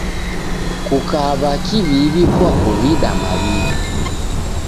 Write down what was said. Kukaw'a kiw'iw'i kuakuw'ida maw'iw'i.